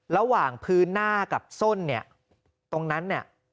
ระหว่างพื้นหน้ากับส้นตรงนั้น